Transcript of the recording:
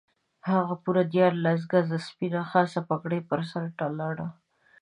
هغه پوره دیارلس ګزه سپینه خاصه پګړۍ پر سر تړله.